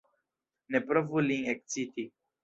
Ne provu lin eksciti!